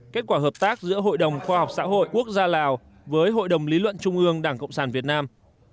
kết quả hợp tác giữa hội đồng khoa học xã hội quốc gia lào với hội đồng lý luận trung ương đảng cộng sản việt nam